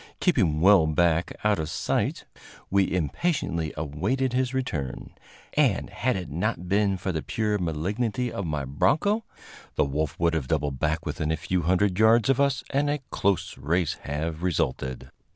Keeping well back out of sight, we impatiently awaited his return, and, had it not been for the pure malignity of my broncho, the wolf would have doubled back within a few hundred yards of us, and a close race have resulted.